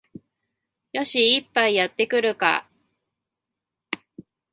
よし、一杯やってくるか